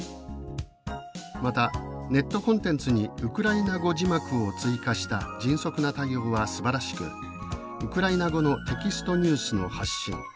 また「ネットコンテンツにウクライナ語字幕を追加した迅速な対応はすばらしくウクライナ語のテキストニュースの発信